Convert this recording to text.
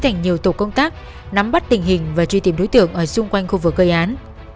thành nhiều tổ công tác nắm bắt tình hình và truy tìm đối tượng ở xung quanh khu vực gây án